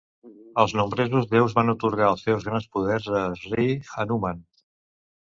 El nombrosos Deus van atorgar els seus grans poders a Sree Hanuman.